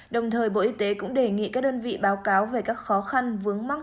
đồng thời bộ y tế cũng đề nghị các đơn vị báo cáo về các khó khăn vướng mắc